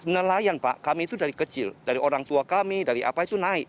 nelayan pak kami itu dari kecil dari orang tua kami dari apa itu naik